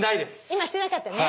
今してなかったね。